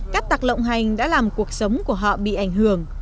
các tạc lộng hành đã làm cuộc sống của họ bị ảnh hưởng